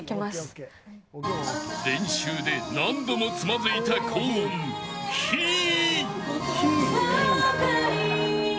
練習で何度もつまずいた高音ひー。